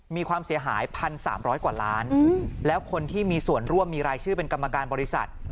มีความเสียหาย๑๓๐๐กว่าล้านแล้วคนที่มีส่วนร่วมมีรายชื่อเป็นกรรมการบริษัท